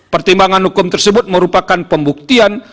pertimbangan hukum tersebut merupakan pembuktian